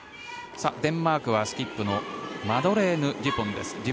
デンマークはスキップのマドレーヌ・デュポンです。